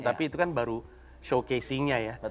tapi itu kan baru showcasingnya ya